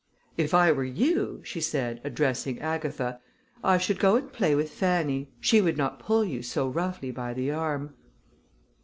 "If I were you," she said, addressing Agatha, "I should go and play with Fanny; she would not pull you so roughly by the arm."